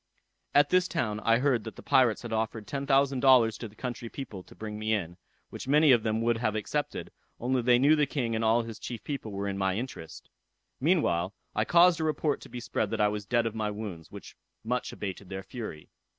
"At this town I heard that the pirates had offered ten thousand dollars to the country people to bring me in, which many of them would have accepted, only they knew the king and all his chief people were in my interest. Meantime, I caused a report to be spread that I was dead of my wounds, which much abated their fury.